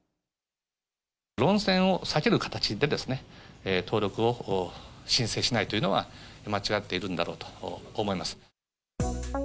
論戦を避ける形で、登録を申請しないというのは、間違っているんだろうと、こう思います。